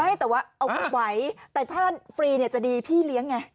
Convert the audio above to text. ไม่แต่ว่าเอาขึ้นไหวแต่ถ้าฟรีเนี่ยจะดีพี่เลี้ยงไง